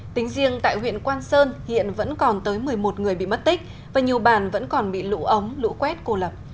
tính riêng tại huyện quan sơn hiện vẫn còn tới một mươi một người bị mất tích và nhiều bàn vẫn còn bị lũ ống lũ quét cô lập